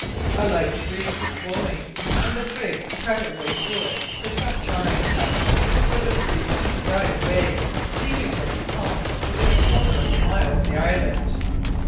A light breeze was blowing, and the brig cut her way through it for some time; but the breeze soon died away, leaving her becalmed within a quarter of a mile of the island.